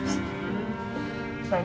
saya mau pergi